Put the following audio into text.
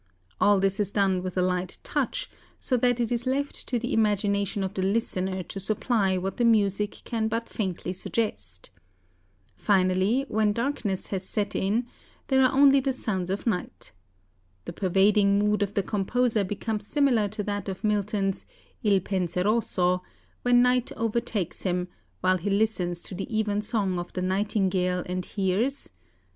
All this is done with a light touch, so that it is left to the imagination of the listener to supply what the music can but faintly suggest. Finally, when darkness has set in, there are only the sounds of night. The pervading mood of the composer becomes similar to that of Milton's 'Il Penseroso' when night overtakes him, while he listens to the even song of the nightingale and hears